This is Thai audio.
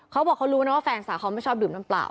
เขาบอกเขารู้นะว่าแฟนสาวเขาไม่ชอบดื่มน้ำเปล่า